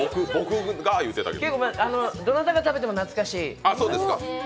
どなたが食べても懐かしい。